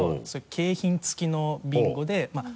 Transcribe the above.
景品付きのビンゴで。